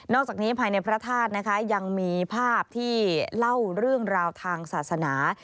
จากนี้ภายในพระธาตุนะคะยังมีภาพที่เล่าเรื่องราวทางศาสนา